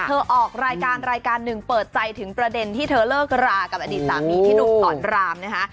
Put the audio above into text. ออกรายการรายการหนึ่งเปิดใจถึงประเด็นที่เธอเลิกรากับอดีตสามีพี่หนุ่มสอนรามนะคะ